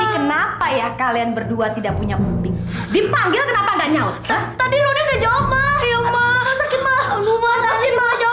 kenapa ya kalian berdua tidak punya mumping dipanggil kenapa nggak nyawa tadi